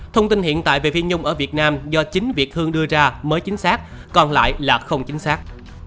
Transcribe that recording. thông tin hiện tại về viên nhôm ở việt nam do chính việt hương đưa ra mới chính xác còn lại là không chính xác